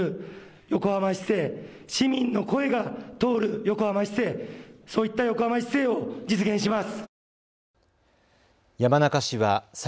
横浜市政、市民の声が通る横浜市政、そういった横浜市政を実現します。